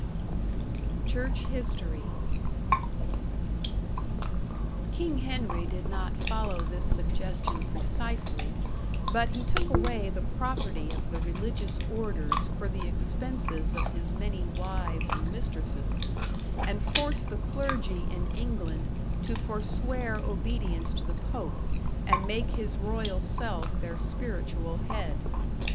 #Church History# King Henry did not follow this suggestion precisely, but he took away the property of the religious orders for the expenses of his many wives and mistresses, and forced the clergy in England to forswear obedience to the Pope and make his royal self their spiritual head.